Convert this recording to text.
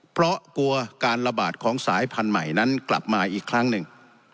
เพราะกลัวการระบาดของสายพันธุ์ใหม่นั้นกลับมาอีกครั้งหนึ่ง